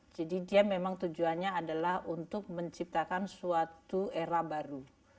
jadi dia memang tujuannya adalah untuk menciptakan suatu era baru